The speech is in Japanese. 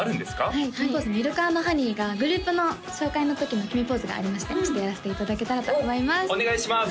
はい決めポーズｍｉｌｋ＆ｈｏｎｅｙがグループの紹介の時の決めポーズがありましてちょっとやらせていただけたらと思いますお願いします！